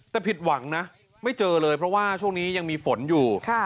แต่ผิดหวังนะไม่เจอเลยเพราะว่าช่วงนี้ยังมีฝนอยู่